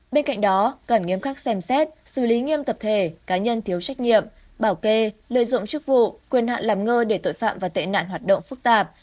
bên cạnh đó cần nghiêm khắc xem xét xử lý nghiêm tập thể cá nhân thiếu trách nhiệm bảo kê lợi dụng chức vụ quyền hạn làm ngơ để tội phạm và tệ nạn hoạt động phức tạp